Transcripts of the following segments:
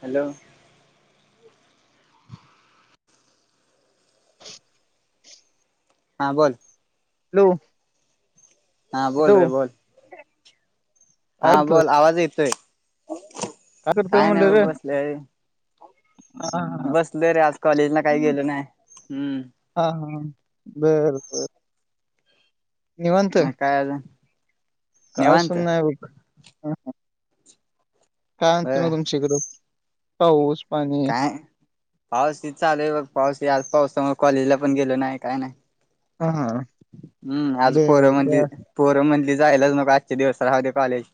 Hello. [unintelligible] हा बोल. Hello. हा बोल हॅलो रे बोल. हा काय करतोय बोल आवाज येतोय करतोय काय नाही म्हणलं रे बबा ब सलेय. हा हा बसलोयरे आज कॉलेजला काही गेलो नाही हम्म. बरं बरं. म काय आजुन. काय सुन नाहीय बघ अ ह काय म्हणते बर मग तुमच्याकडं पाऊस पाणी. पाऊसच चालू आहेय बघ पाऊस आज पाऊसामुळे कॉलेजला पण गेलो नाही काय नाही. हा हा हम्म आज बर पोरम्हणलीत बर पोरम्हणलीत जायलाच नको आजच्या दिवस राहुदे कॉलेज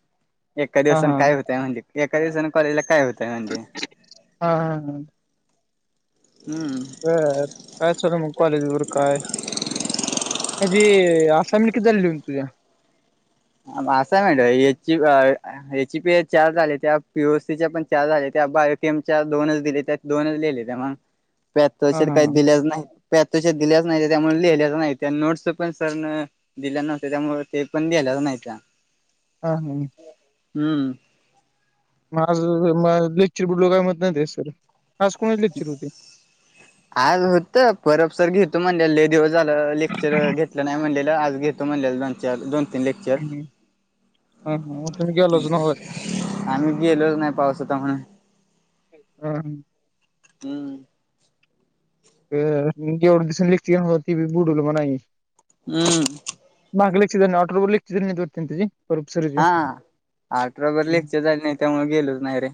एका हा दिवसाने हा काय होतय म्हणजे एका दिवसा ने कॉलेजला काय होत हा हा हा. हम्म बरं काय लं मग कॉलेज वर काय जी ते आासायमेंट किति झाली लिहुन तुझे. असायमेंट याचे बी चार झाले पीओसी पण चार झाले त्या बायोकेमच्या दोनच दिले त्या दोनच लिहिले त्या मग हा पॅट्रश हा काही दिलेच नाही. पायथोच्या दिल्याच नाही त्यामुळे लिहिलेच नाही त्या नोट्स पण सरन दिल्या नव्हत्या त्यामुळे ते पण लिहिलेल्या नाहीत. त्या. हा हम्म. हम्म. माझ लेक्चर बुडलो काय म्हत नाही ते सर आज कोणाचे लेक्चर होते आज होत परबसर घेेतो म्हण घेतलेलं लई दिवस झाले लेक्चर घेतलं नाही म्हणलेलं आज घेतो म्हणले दोन चार ते लेक्चार. हम्म, हा हा मग तुम्ही गेलाच नव्हत आम्ही गेलोच नाही पावस होता त्या मुळे हम्म हम्म. हम्म. अ जेवढे दिस लेख ती बी बुडल म्हणाई हम्म. हगलेच ट बोललेच ततीन तजी हा अठरबर लेकच झाले नाही त्यामु गेलोच नाही रे.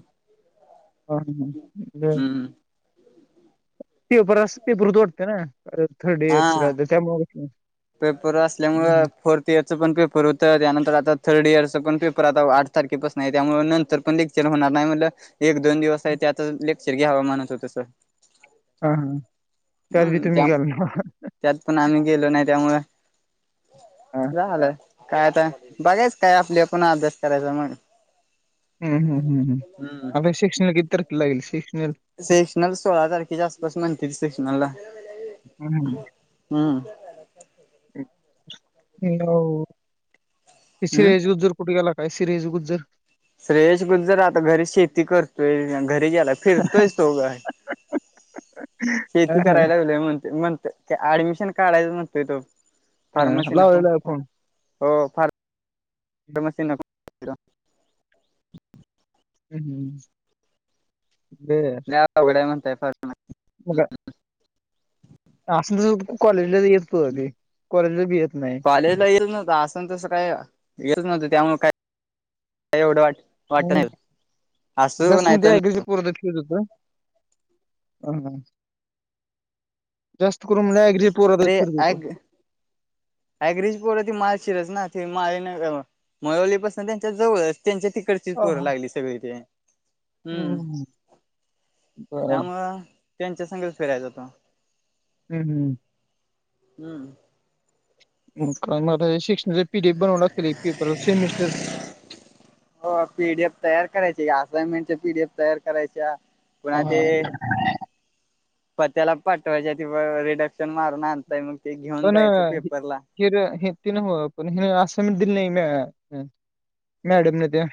हम्म [unintelligible] पेपर अस पेपर तोडते ना थर्डी इयरस हा त्यामुळे पेपर असल्यामुळे फोर्थ इयरचं पण पेपर होतं त्यानंतर आता थर्ड इयरच पण पेपर आता आठ तारखेपास नाही आहे त्यामु नंतर पण क्चल होणार नाही म्हटलं एक दोन दिवस त्यात शर्गी हवामानच होतस. हा हा त्यात बी हम् तुम्ही त्या गेल ना त्यात पण आम्ही गेलो नाही. त्यामुळे झालंय. कायता बघायच काय आपल्या पुन्हा अभ्यास करायचा मग हम्म हम् हम् हम्म हम अ शिकक्षण इतत लागल श सेक्शनल सोळा तारखेच्या आसपास म्हणते त सेक्शनलला हम् हम. [unintelligible] ह क हम्म शरज जोर कुट गला. काय सिरेजघ जर श्रेयश गुल जर आता घरी शेती करतोय घरी ग्यायला फिरतोय तोघ शेती ह करायला गेलय म्हणते म्हणत ऍडमिशन काढायच म्हणतोय तो फार्माशीी नको लावलेला फोन हो फार म ना. हम्म ह. नाहीघडाय म्हणताय फार असून तर कॉलेजला येतोी कॉलेजला भी येत नाही. आन तसं काय येतच नव्हतं त्यामुळे काय एवढं वाट वाटत नाही हम् असू जस नाही ते्या तर आहे कस पर दखीलच होत. हम जास्त करून मला ऍग्री पोरातच फिरत अरेग होतो. अग्रिज पोरती माळशिरस ना. मान मळवली पाासून त्यांच्या जवळच त्यांच्या तिकडची हा पोरं हा. लागली सगळी ते हम्म हम्म बर त्यामुळेळ त्यांच्या संगच फिरायचा तो. हम्म हम्. हम्म. ह् कर्नाटक हे शिक्ण पिडे बनवला केले पप सेमिस् असनमेंटच्या पीडीएफ तयार करायच्या पुन्हा हो ते हो. पत्याला पटवाज रिडक् पण पेपरला हेर हे ति न ह पण हे असं मिट दिलं नाही. मॅडम न त्या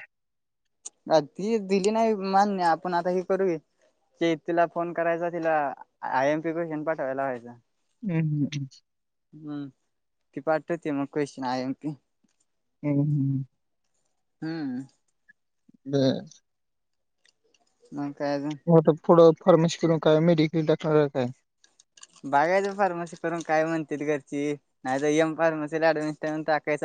अ त दिली नाही मान्य आपण आता हे करूया. तिला फोन करायचा तिला आय एम पी क्वेशन पाठवायला ह्हायचा हम्म हम्म्. हम्म की पाठवते मग कश नायम की ह ह्. हम्म. बरं. मग काय अजून. पुडं फार्मसीकडून काय मेडिकल टाकणार काय. बघायचं फार्मसी करून काय म्हणतेत. घरची नाही तर एम फार्मसीला ऍडमिश टाकायच.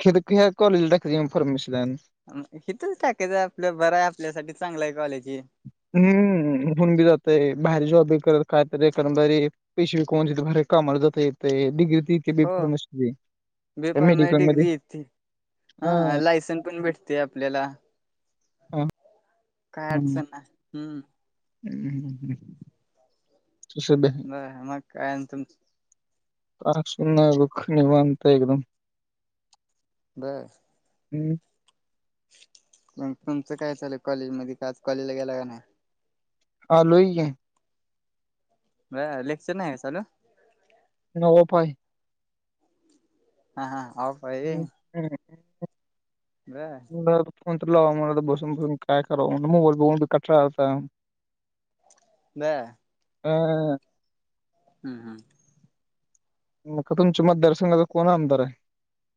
ख कॉलेजला टकायचं एम. फार्मसी ला आणि इथंच टाकायचं आपलं बर आहे. आपल्यासाठी चांगला आहे कॉलेज. हे हम्म होन बी जातय बाहेर जॉब करत. कायतरी कणारी पेशवी कोण त भरे कामाला जात येत डग्रीत बी हो फार्मसी. [unintelligible] डिग्री हाय ती. हा लायसन पण भेटते आपल्याला. हा, काय हम्म, अडचण नाय. हम्म. हम्म, हम्म. तसं बे- बर मग काय ना तुमच. [unintelligible] नाय बघ. निवांत एकदम. बर. हम्म.. मग तुमचं काय चाल कॉलेज मध्ये. का आज कॉलेजला गेला का नाही? हा आलोय की. बरं लेक्चर नाही व्हय चालू? नाही ऑफ हाय. हा.. हा.. ऑफ हाय हम्म, व्हय. हम्म. बरं. म्हणलं आता फोन तर लावावा म्हंटल बसून बसून काय करावं. मोबाईल बघून कटाळा आलाता. बरं. अ... हम्म.. हम्म.. मग तुमच्या मतदारसंघाचा कोण आमदार आहे?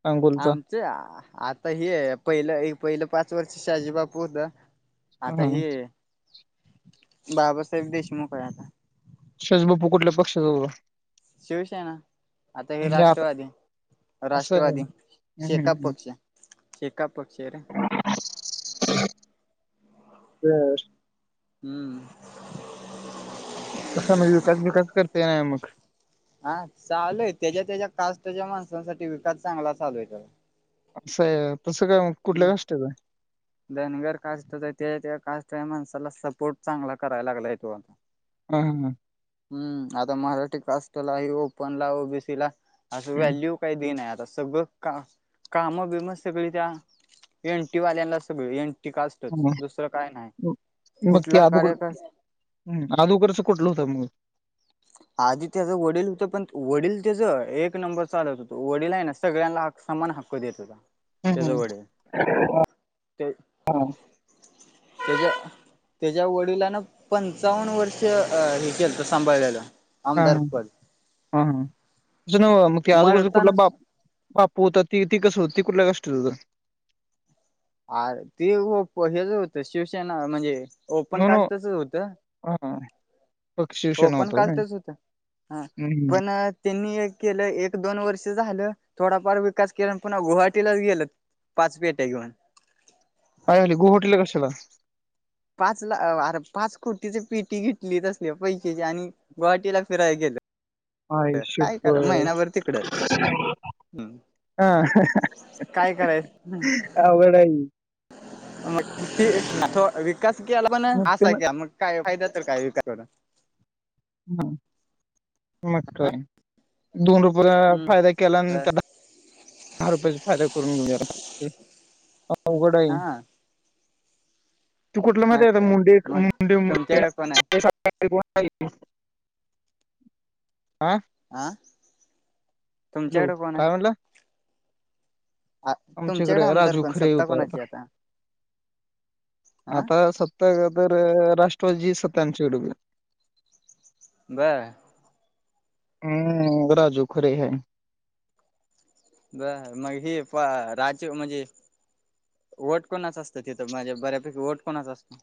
सांगोलचा आमचे आता हे पहिलं पहिलं पाच वर्ष शहाजी बापू होत. आता हा. हे बाबासाहेब देशमुख आहे आता. शहाजी बापू कुटल्या पक्षाचा होता.? शिवसेना. आता हे आणि आता राष्ट्रवादी. असं आहे राष्ट्रवादी. हम्म, हम्म, शेका हम्म. पक्ष शेका पक्षरे. रिकामा ऑडिओ बरं. हम्म. कसा मग विकास विकास करते नाय मग? हा चालू आहे त्याच्या त्याच्या कास्ट च्या माणसांसाठी विकास चांगला चालू आहे खरं. [unintelligible] हम्म.. कुठल्या कष्टाचं आहे धनगर कास्ट हो ते ते कास्ट. माणसाला सपोर्ट चांगला करायला लागलाय तो. अहं. हं. हम्म.. आता मराठी कास्टला आहे. ओपन ला ओबीसी ला असं हम्म, व्हॅल्यू काही देनी आता. सगळ का काम बीम सगळी त्या एन. टी वाल्यांना सगळ एन टी कास्ट च असतच हम्म. दुसरं काय नाही. कुठला कार्यका- हम् आदोकरचं कुठलं होतं मग. रिकामा ऑडिओ आधी त्याच वडील होत. पण वडील त्याच एक नंबर चालत होत. वडील आहे ना सगळ्यांना समान- हाक्क देत होता. त्याच हम्म.. वडील ह्म्म्म.. ते [unintelligible] त्याच्या- त्याच्या वडिलान पंचावन्न वर्ष हे केलत सांभाळलेलं. हा आमदारपद हा हा तसं न्हवं म तें अदोगरच मरताना कुठलं बाप. बापू होत ती ती कसं हो ती कुठलया काष्टच होत? अ ते हेच होत शिवसेना म्हणजे... ओपन नो नो कास्टचच होत हा पक्ष शिवसेना ओपन होता व्हय कास्टच होत. हा हम्म पण त्यांनी केलं एक दोन वर्ष झालं थोडाफार विकास केला पुन्हा गुवाहाटीला गेल पाच पेट्या घेऊन. रिकामा ऑडिओ पाच ला अर पाच कोटीची पेटी घेतली तसले पैसेची आणि गुवाहाटीला फिरायला गेलं. आई काय करा शप्पथ महिना्याभर तिकडच हम् हा काय करायच अवघड आहे ही. मग कि विकास कि आला पण मग असा त्यान कि मग काय फायद्या काय वार ह म दोन रुपये हम्म फायदा केला आणि बर त्या दहा रुपयाचा फायदा करून घेऊया हा तू कुठलं मग माहती आहेेत काय मुंडे मग मुंडे तुमच्याकडे कोण आहे मुं आं आं हॅलो काय म्हणला आ आमच्याकडे तुमच्याकडे आमदार राजू कोण खरे सत्ता होत आता कोणाची हा आता सतता तर राष्ट्र शजी सत्यानशडक बर हम्म राजू खरे है ब मग हे प राज म्हणजे वट कोणाच असत तिथं माझ्या बऱ्यापैकी वट कोणाच असत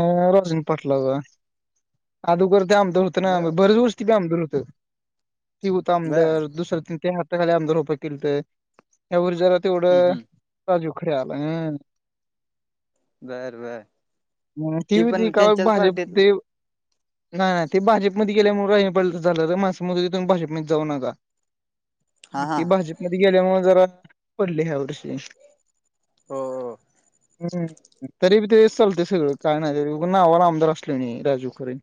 अ रजून पटलं ग अदोगर ते आमदार होत ना बर बरच वोष्टती आमदार हो त होत बर आमदार दुस तीन तन ह्याखाली आमदार रप केलत जरा हम्म तेवढं हम्म राजू खडे आला अ गैर वर ती होती का भाजप ते नाही नाही ते भाजपमध्ये गेल्यामुळे राहि पड झालं माणस मथ भाजपमध्ये जाऊ नका हा हा ती भाजपमध्येध्ये गेल्यामु जरा पडले ह्या वर्षी हम हम्म तरी बी तेस चालतेस सगळं काय नाहीण नावाला आमदार असले नाही राजू खरे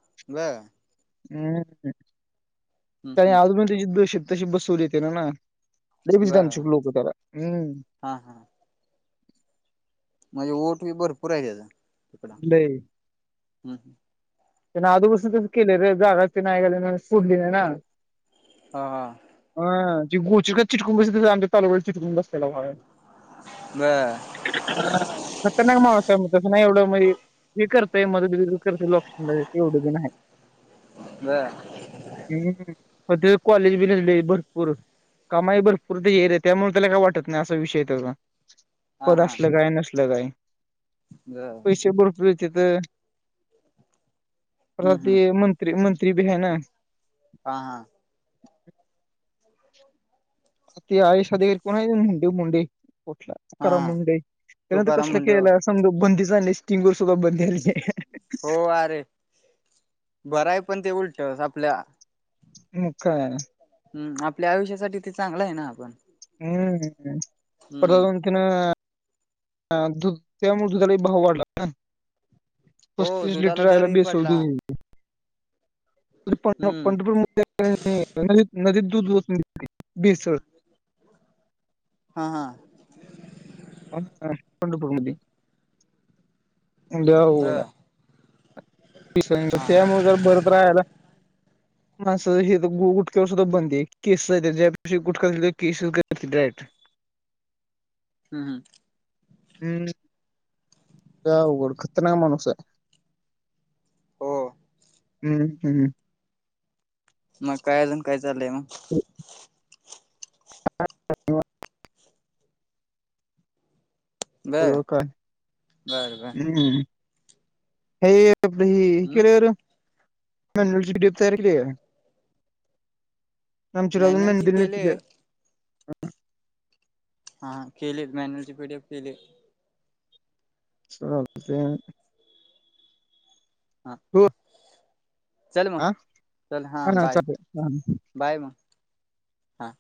ब हम्म आणि अज हम्म प त्याची दश तशी बसवली येते ना ना ल बच त्यां बर आणचक लोक त हम् हा हा म्हणजे ओठ बी भरपूर आहे त्याचा ल हम् हम त्यां आजोपासून ते केले रे जा र ते नाही गले सोडली नाही ना हा हा ज गोचर का चिटकम बस तोवेळ चिटकून बसलेलाय बर खतरनाक मावसाहेब तसं नाही एवढं व करतय म कर ते एवढं बण आहे बर हम्द कॉलेज भी नाहीले भरपूर कमाई भर पूरत येरे त्यामुळे त्याला काय वाटत नाही असा विषय आहे त्याचा हा पद हा असलं काय नसल काय बर पैसे भरपूरते तर हम्म प्रात हम्म मंत्री मंत्री भी आहेै ना हा हा अ आषद कोण आहे मुं मुंडी ठला हा करा हा मुंडेई त्यानंतर तुकाराम कसला मुंडे केला हो समजा बंदी झाली स्टिंग वर सुद्धा बंदी आली हो अरे बरय पण ते उलट आपल्या मग काय हम् आपल्या आयुष्यासाठी ते चांगलं आहे ना आपण हम्म प्रता हम्म तना हु त्यामुळे दुधाला भाव वाढला ना हो पस्तीस दुधाला लिटर आला दरही बी पडला शोधू हम्म पंढरपूर नदीत दूधून भेसळ हा हा हपर मती होला बर हा त्यामु जर बरत राहाला म हे गुटक्यावर सुद्धा बंद केसेस ज्या गुटख्या केसेस करतील डायरेक्ट हम्म हम्म हम् जाघड खतनाक माणूस आहे हो हम्म हम्म मग काय अजून काय चाललंय मग बर हो का बर बर हम्म हे र हम्म केलेर मन वडओप तयार के आहे आमची राजून मॅन्युअलची मेंद न केले हा केली मॅन्युअल ची पीढप केली चातेन हा हो चल मग हा चल हा बाय चालतंय हा बाय मग हा